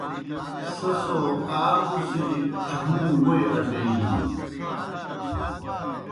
سہ سو آ اُڅِھجیْ ڇھہُوں ووئی اٹیگِن۔